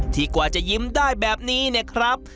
กว่าจะยิ้มได้แบบนี้เนี่ยครับ